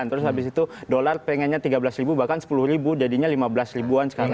terus habis itu dolar pengennya tiga belas ribu bahkan sepuluh ribu jadinya lima belas ribuan sekarang